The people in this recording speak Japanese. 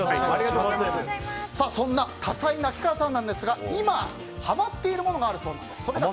そんな多才な秋川さんですが今、ハマっているものがあるそうなんです。